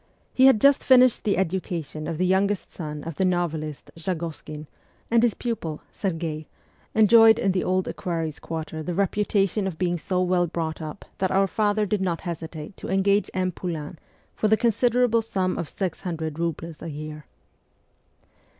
He had just finished the education of the youngest son of the novelist Zagoskin ; and his pupil, Serge, enjoyed in the Old Equerries' Quarter the reputation of being so well brought up that our father did not hesitate to engage M. Poulain for the consider able sum of six hundred roubles a year.